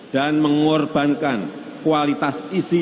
dan mengorbankan kualitas isi